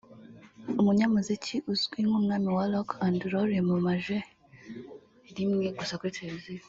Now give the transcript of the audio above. umunyamuziki uzwi nk’umwami wa Rock and Roll yamamaje rimwe gusa kuri televiziyo